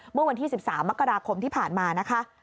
เมื่อวันที่๑๓มกราคมที่ผ่านมานะคะ